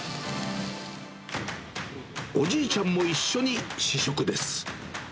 おじいちゃんも一緒に試食です。